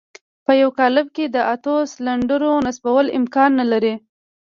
په يوه قالب کې د اتو سلنډرو نصبول امکان نه لري.